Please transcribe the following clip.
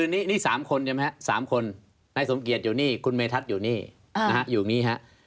นี่๓คนนายสมเกียจอยู่นี่คุณเมทัศน์อยู่นี่